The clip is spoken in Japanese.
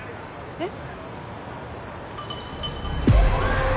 えっ？